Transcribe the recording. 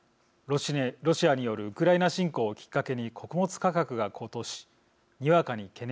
ロシアによるウクライナ侵攻をきっかけに穀物価格が高騰しにわかに懸念が広がりました。